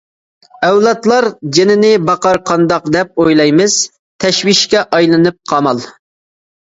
ئەۋلادلار جېنىنى باقار قانداق دەپ، ئويلايمىز تەشۋىشكە ئەيلىنىپ قامال.